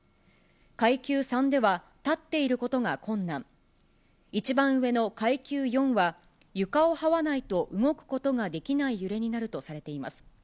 階級３では立っていることが困難、一番上の階級４は、床をはわないと動くことができない揺れになるとされています。